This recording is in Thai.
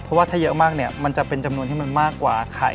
เพราะว่าถ้าเยอะมากเนี่ยมันจะเป็นจำนวนที่มันมากกว่าไข่